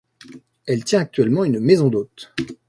Elle tient actuellement une maison d’hôtes.